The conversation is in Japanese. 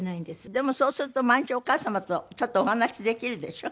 でもそうすると毎日お母様とちょっとお話しできるでしょ？